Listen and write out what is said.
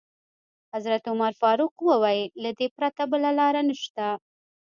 حضرت عمر فاروق وویل: له دې پرته بله لاره نشته.